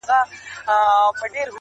د پردي کلي د غلۀ کانه ور وسوه